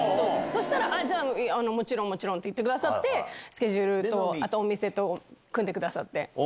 そしたら、じゃあ、もちろんもちろんって言ってくださって、スケジュールと、あとお店と、組んでくださって。